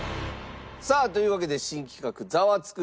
さあというわけで新企画「ザワつく！